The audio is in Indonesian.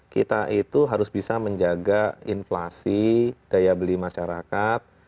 kita itu harus bisa menjaga inflasi daya beli masyarakat